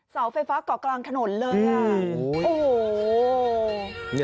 สาวไฟฟ้าก่อกกลางถนนเลย